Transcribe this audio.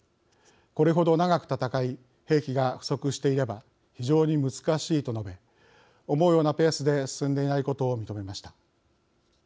これ程、長く戦い兵器が不足していれば非常に難しいと述べ思うようなペースで進んでいないことを認めました。